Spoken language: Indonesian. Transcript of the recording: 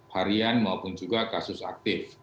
harian maupun juga kasus aktif